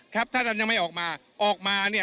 ครับถ้าท่านยังไม่ออกมาออกมาเนี่ย